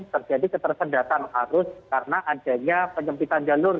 terjadi ketersendatan arus karena adanya penyempitan jalur